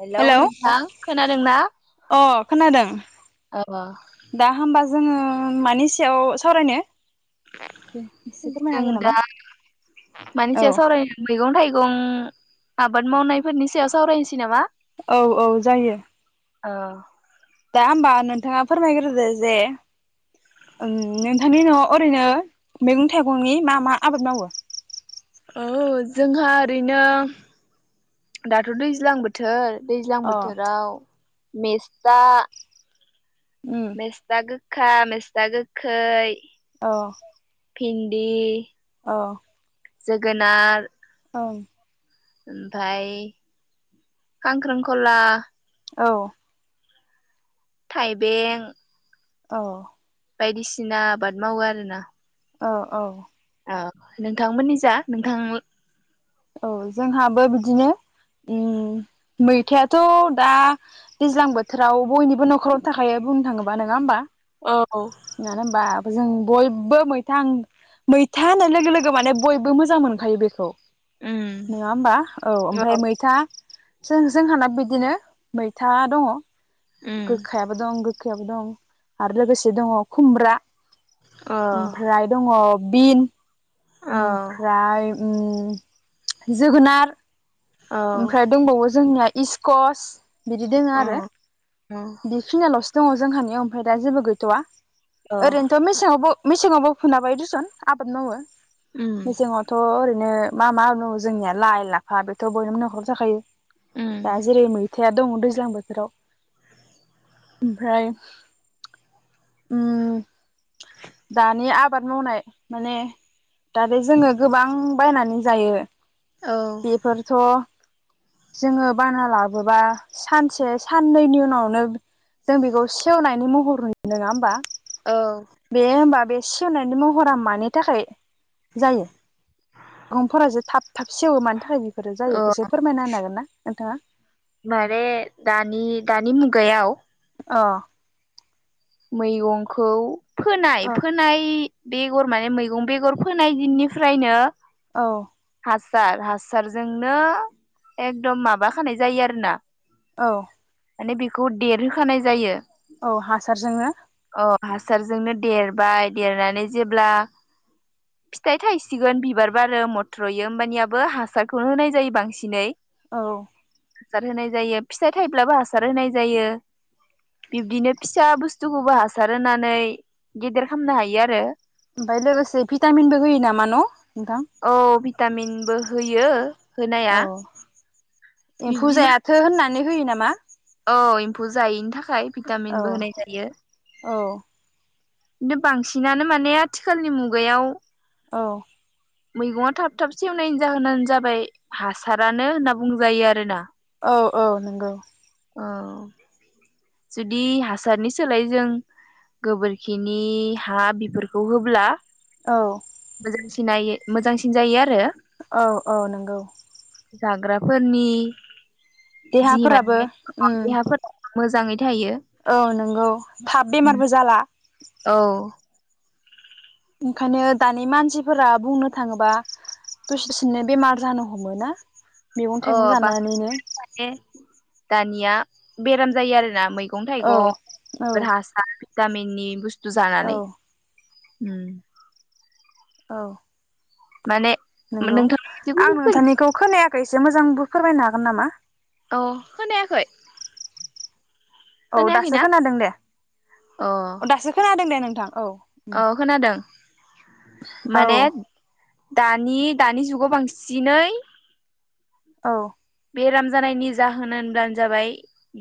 Hello नोंथां खोनादोंना अ खोनादों आबा दा होमबा जोङो मानि सायाव सावरायनो एसे फोरमायना जों होगोन नामा दा औ मानसिया सावरायनो मैगं थाइगं आबाद मावनायफोरनि सायाव सावरायनिसै नामा औ औ जायो ओ दा होमबा नोनथाङा फोरमायग्रोदो जे ओं नोंथांनि न'आव ओरैनो मैगं थाइगंनि मा मा आबाद आरो मावो औ जोंहा ओरैनो दाथ' दैज्लां बोथोर दैज्लां अ बोथोराव मेस्ता उम मेस्ता गो गोखा मेस्था गोखै औ भिन्दि अह जोगोनार ओं ओमफाय खांख्रिंखला औ थाइबें अ बायदिसिना आबाद मावो आरोना औ औ औ नोंथांमोननि जा नोंथां औ जोंहाबो बिदिनो उम मैथायाथ' दा दैज्लां बोथोराव बयनिबो न'खरावनो थाखायो बुंनो थाङोबा नोङा होमबा मानो औ होनबा जों बयबो मैथा मैथा होननाय लोगो लोगो माने बयबो मोजां मोनखायो बेखौ उम नोङा होमबा औ ओमफ्राय मैथा जोंहानाबो बिदिनो मैथा दङ गोखायाबो दं गोखैयाबो दं आरो लोगोसे दङ खुमब्रा ओमफ्राय दङ बिन ओमफ्राय ओम जोगोनार ओमफ्राय दंबावो जोंनिया इसकस बिदि दोङो आरो बेखिनिया लसो दङ जोंहानियाव ओमफ्राय दा जेबो गैथ'वा ओरैनोथ' मेसेङावबो मेसेङावबो फोनाबाय दुसन आबाद मावो मेसेङावथ' ओरै नो मा मा दङ जोंनिया लाइ लाफा बेथ' बयनोबो न'खर थाखायो दा जेरै मैथ या दङ दैज्लां बोथोराव ओमफ्राय ओम दानि आबाद मावनाय माने दा बे जोङो गोबां बायनानै जायो बेफोरथ' जोङो बाना लाबोबा सानसे साननैनि उनावनो जों बेखौ सेवनायनि महरनो नङा होमबा औ दे होनोमबा बेस [unintelligible] महरा मानि थाखाय जायो आंफोरासो थाब थाब सेवो मानि थाखाय बेफोरो जायो एसे फोरमायना होनो हागोन ना नोंथाङा मारे दानि दानि मुगायाव अ मैगंखौ फोनाय अ फोनाय बेगर माने मैगं बेगर फोनाय दिननिफ्रायनो औ हासार हासारजोंनो एकदम माबाखानाय जायो आरो ना औ माने बेखौ देरहोखानाय जायो बा अ हासारजोंनो देरबाय देरनानै जेब्ला फिथाइ थायसिगोन बिबार बारो मथ्र'यो होमबानियाबो हासारखौनो होनाय जायो बांसिनै औ हासार होनाय जायो फिसाइ थाइब्लाबो हासार होनाय जायो बिब्दिनो फिसा बुस्थुखौबो हासार होनानै गेदेर खालामनो हायो आरो ओमफाय लोगोसे भिटामिनबो होयो नामा न' नोंथां? औ भिटामिनबो होयो होनाया औ बिब्दिनो फुजायाथो होनना नानै होयो नामा औ एम्फौ जायैनि थाखाय औ भिटामिनबो होनाय जायो औ खिन्थु बांसिनानो माने आथिखालनि मुगायाव औ मैगङा थाब थाब सेवनायनि जाहोनानो जाबाय हासारानो होनना बुंजायो आरोना औ औ नंगौ औ जुदि हासारनि सोलाय जों गोबोरखिनि हा बेफोरखौ होब्ला औ मोजांसिन मोजांसिन जायो आरो औ औ नंगौ जाग्राफोरनि जि देहाफोराबो माने उम देहाफोरा मोजाङै थायो औ नंगौ थाब बेमारबो जाला औ ओंखायनो दानि मानसिफोरा बुंनो थाङोबा दससेनो बेमार जानो हमोना अ [unintelligible] दानिया बेराम जायो आरोना मै मैगं औ थाइगं औ [unintelligible] हासार गामिनि बुस तु औ जानानै उम औ माने नंगौ नोंथां आं नोंथांनिखौ खोनायाखै एसे मोजांबो फोरमायनो हागोन नामा औ खोनायाखै औ दासो खोनायाखैना खोनादों दे अ औ दासो खोनादों दे नों थां औ औ खोनादों औ माने दानि दानि जुगाव बांसिनै औ बेराम जानायनि जाहोन होनब्लानो जाबाय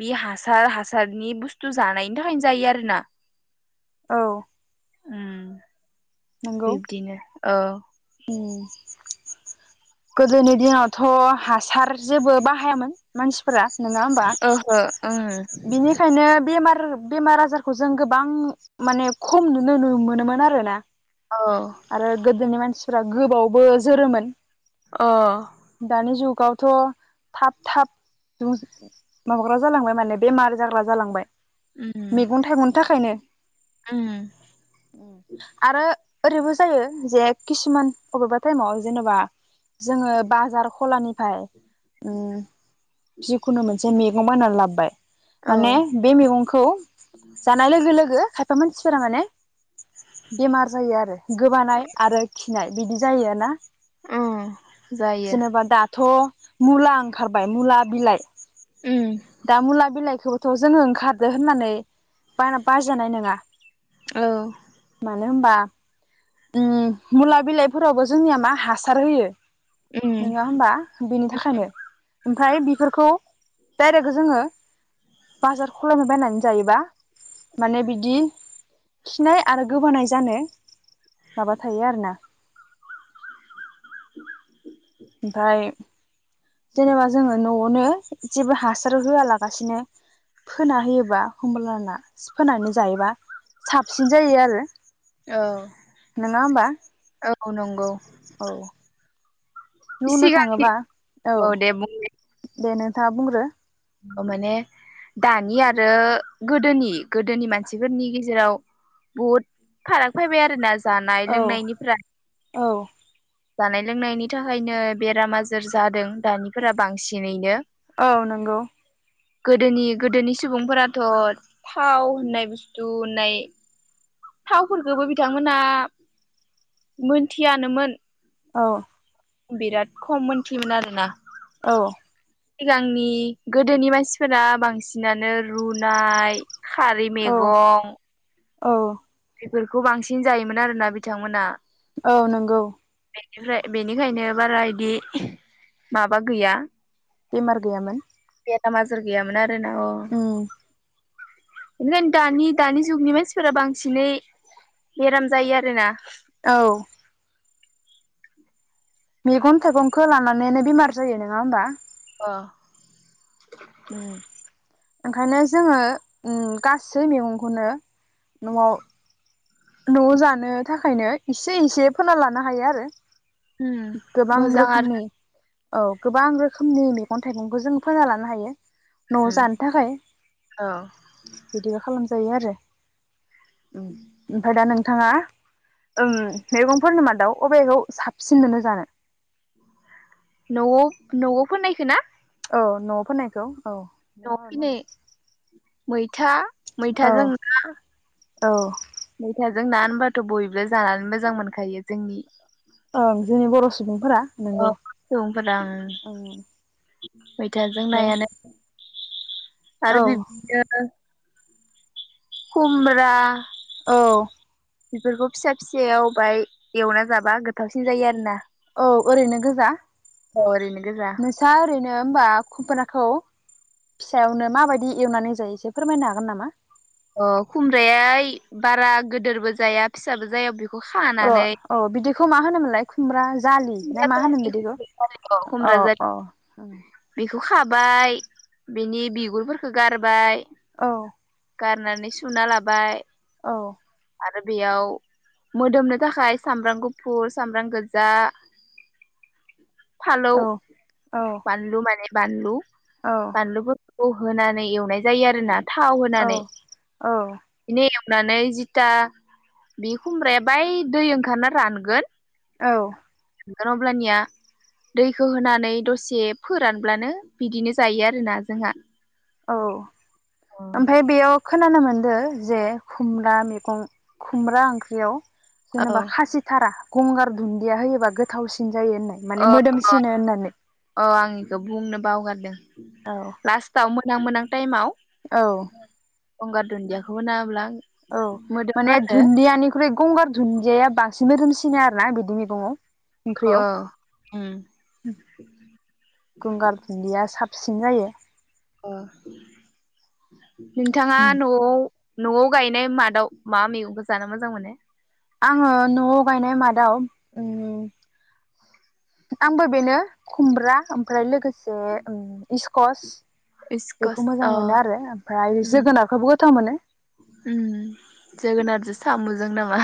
बि हासार हासारनि बुस्थु जानायनि थाखायनो जायो आरो ना औ बिब्दिनो औ उम गोदोनि दिनावथ' हासार जेबो बाहायामोन मानसि फोरा नङा होमबा ओहो उम बिनिखायनो बेमार बेमार आजारखौ जों गोबां माने खम नुनो नो मोनोमोन आरोना औ आरो गोदोनि मानसि फोरा गोबावबो जोरोमोन अ दानि जुगावथ' थाब थाब माबाग्रा जालांबाय माने बेमार जाग्रा जालांबाय उम मेगन थाइगंनि थाखायनो उम आरो ओरैबो जायो जे किसुमान अबेबा टाइमाव जेनेबा जोङो बाजार खलानिफाय उम जिखुनु मोनसे मे गं बायनानै लाबोबाय औ माने बे मैगंखौ जानाय लोगो लोगो खा एफा मानसिफोरा माने बेमार जायो आरो गोबानाय आरो खिनाय बिदि जायो ना अ जेनेबा दाथ मुला ओंखारबाय मुला बिलाइ उम दा मुला बिलाय खौ थ' जोङो ओंखारदो होननानै बारा बायजानाय नङा औ मानो होनबा ओम मुला बिलाइफोरावबो जोंनिया मा हासार होयो उम नङा होमबा बिनि थाखायनो ओमफाय बिफोरखौ डाइरेक्ट जोङो बाजार खालामनोबायायनानै जायोबा माने बिदि खिनाय आरो गोबानाय जानो माबा थायो आरो ना ओमफ्राय जेनेबा जोङो न'आवनो जेबो हासार होआलागासिनो फोना होयोबा हमब्लाना फोनानै जायोबा साबसिन जायो आरो औ नङा होमबा औ नंगौ औ बुंनो सिगांनि थाङोबा औ दे बुं दे नोंथाङा बुंग्रो माने दानि आरो गोदोनि गोदोनि मानसिफोरनि गेजेराव बहुत फाराग फैबाय आरो ना जानाय औ लोंनायनिफ्राय औ जानाय लोंनायनि थाखायनो बेराम आजार जादों दानिफोरा बांसिनैनो औ नंगौ गोदोनि गोदोनि सुबुंफोराथ' थाव होननाय बुस्थु होननाय थावफोरखौबो बिथांमोना मोनथियानोमोन औ आं बिराद खम मोनथियोमोन आरोना औ सिगांनि गोदोनि मानसिफोरा बांसिनानो रुनाय खारि औ मैगं औ बेफोरखौ बांसिन जायोमोन आरोना बिथांमोना औ नंगौ बेनिफ्राय बेनिखायनो बारा इदि माबा गैया बेमार गैयामोन बेा माजार गैयामोन आरो [inaudible] उम बेनिखायनो दानि दानि जुगनि मानसिफोरा बांसिनै बेराम जायो आरोना औ मैगन थाइगनखो लानानैनो बेमार जायो नङा होमबा [inaudible] ओंखायनो जोङो गासै मैगंखौनो नआव न'आव जानो थाखायनो इसे इसे फोनान लानो हायो आरो। उम गोबां मोजां रोखोम नि आरो औ गोबां रोखोमनि मैगं थाइगंखौ जों फाना लानो हायो। न'आव जानो थाखाय औ बिदिबा खालाम जायो आरो ओमफाय दा नों नोंथाङा ओम मैगंफोरनि मादाव अबेखौ सा सिनमोनो जानो न'आव न'आव फोननायखौ ना औ न'आव फोननायखौ औ न'आव फिनाय [unintelligible] मैथा मैथाजों औ ना औ मैथाजों ना होनबाथ' बयबो जानानै मोजां मोनखायो जोंनि ओं जोंनि बर' सुबुं अ सुबुंफोरा ओं मैथाजों ओमफ्राय नायानो आरो औ बिब खुमरा औ बेफोरखौ फिसा फिसायाव बाहाय एवना जाबा गोथावसिन जायो आरो ना औ ओरैनो गोजा ओरैनो गोजा नोंस्रा ओरैनो होमबा [unintelligible] खौ फिसायावनो माबायदि एवनानै जायो एसे फोरमायनो हागोन नामा अ खुमब्राया बारा गोदोरबो जाया फिसाबो जाया बे र औ बिदिखौ मा होनोमोनलाय खुमब्रा जालि ना खुमब्रा मा होनोमोन बिदिखौ? जारि औ औ खौ खाबाय बिनि बिगुरफोरखौ गारबाय औ गारनानै सुना लाबाय। औ आरो बेयाव मोदोमनो थाखाय सामब्राम गुफुर, सामब्राम गोजा फालौ औ औ बानलु माने बानलु औ बानलुबो औ होनानै एवनाय जायो आरो ना थाव होनानै औ बि नानै फिथा बे खुमब्राया बै दै ओंखारना रानगोन। औ मोनगोन अब्लानिया दैखौ होनानै दसे फोरानब्लानो बिदिनो जायो आरोना जोंहा औ औ ओमफाय बेयाव खोनानो मोन्दो जे खुमब्रा मैगं खुमब्रा ओंख्रियाव जेनेबा खासिथारा गंगार दुन्दिया होयोबा गोथावसिन जायो होननाय माने मोदोमसिनो होननानै बेखौ बुंनो बावगारदों औ लासटाव [unintelligible] टाइमाव औ गंगार दुन्दियाखौ होना होब्ला औ मोदोमो माने आरो दुन्दियानिख्रुइ गंगार दुन्दिया बांसिन मोदोमसिन सिनाया आरो ना बिदि मैगङाव औ ओंख्रियाव उम गंगार खुदिया साब फिसिन जायो अ‌ ओ नोंथाङा न'आव न'आव गायनाय मादाव मा मैगंबो जानो मोजां मोनो आङो न'आव गायनाय मादाव ओम आंबो बेनो खुमब्रा ओमफ्राय लोगोसे इसे ओम कस बेखौ इस्कस मोजां अ मोनो आरो ओमफ्राय उम जोगोनारखौबो गोथाव मोनो उम जोगोनारजों साम'जों नामा?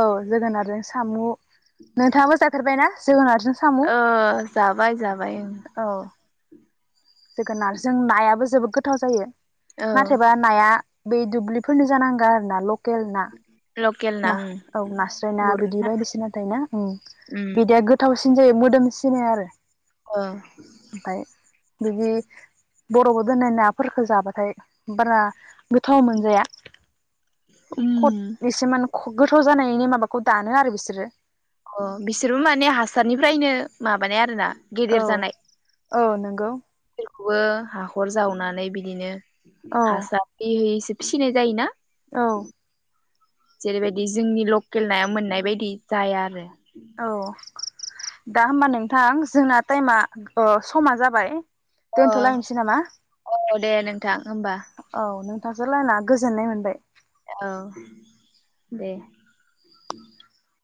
औ जोगोनार जों सामु नोंथाङाबो जाफेरबाय ना? जोगोनार ओ जाबाय जाबाय ओं जोगोनार जों नायाबो जोबोद गोथाव जायो औ नाथायबा नाया बे दुब्लिफोरनि जानांगो आरो ना ल केल ना लकेल ना ओं औ नास्रायना बिदि गुरना बायदिसिना थायो ना उम उम बिदिया गोथावसिन जायो मोदोम सिनाय आरो ओ ओमफाय जुदि बर'बाव दोननाय नाफोरफोरखौ जाबाथाय बारा गोथाव मोनजाया उम खद बेसे मान गोथाव जानायनि माबाखौ दानो आरो बिसोरो अ बिसोरबो माने हासारनिफ्रायनो माबानाय आरो ना गिदिर औ जानाय औ नोंगौ बेबो हाखर जावनानै बिदिनो औ हास बि है [unintelligible] फिसिनाय जायोना औ बि [unintelligible] जेरैबायदि जोंनि लकेल नाया मोननाय बायदि जाया आरो औ दा होमबा नोंथां जोंना टाइमा ओ समा जाबाय अ दोनथ'लायनोसै नामा अ दे नोंथां होमबा औ नोंथांजो लायना गोजोननाय मोनबाय औ दे